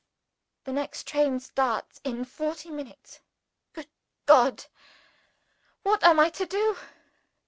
The next train starts in forty minutes. Good God! what am I to do?